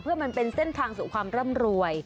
เพื่อมันเป็นเส้นทางสู่ความร่ำรวย